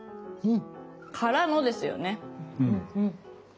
からのですよね。